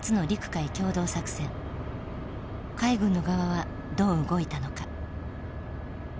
海軍の側はどう動いたのか。